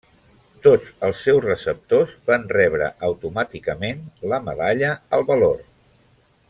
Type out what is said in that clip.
Tots els seus receptors van rebre automàticament la Medalla al Valor.